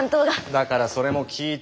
だからそれも聞いた。